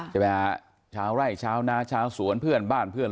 ใช่ไหมฮะชาวไร่ชาวนาชาวสวนเพื่อนบ้านเพื่อน